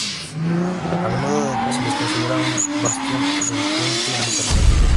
A menudo se les considera un bastión del country alternativo.